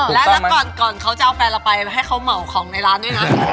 แล้วก่อนเขาจะเอาแฟนเราไปให้เขาเหมาของในร้านด้วยนะ